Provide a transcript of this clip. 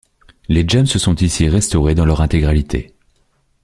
Les jams sont ici restaurées dans leur intégralité.